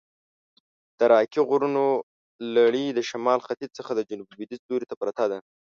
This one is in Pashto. د راکي غرونو لړي د شمال ختیځ څخه د جنوب لویدیځ لورته پرته ده.